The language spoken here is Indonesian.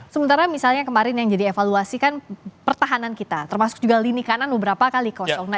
sementara misalnya kemarin yang jadi evaluasi kan pertahanan kita termasuk juga lini kanan beberapa kali kosong